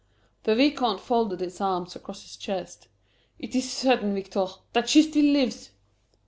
The Vicomte folded his arms across his chest. "It is certain, Victor, that she still lives!"